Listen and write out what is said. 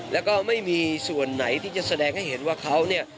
แล้วก็ไม่มีส่วนไหนที่จะแสดงให้เห็นว่าเขาเนี่ย